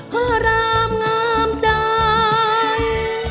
พระรามงามใจ